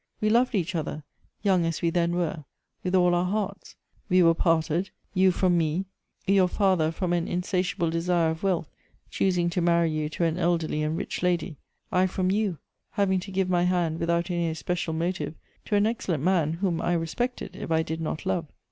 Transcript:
We loved each other, young as we then were, with all our hearts. Wc were parted : you from me — your father, from an insatiable desire of wealth, choosing to marry you to an elderly and rich lady ; I from you, having to give my hand, without any especial motive, to an excellent man, whom I respected, if I did not love.